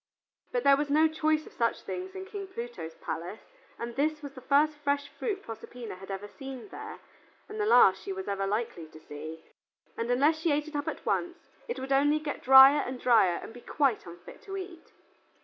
But there was no choice of such things in King Pluto's palace, and this was the first fresh fruit Proserpina had ever seen there, and the last she was ever likely to see, and unless she ate it up at once, it would only get drier and drier and be quite unfit to eat.